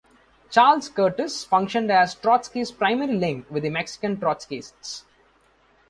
Charles Curtiss functioned as Trotsky's primary link with the Mexican Trotskyists.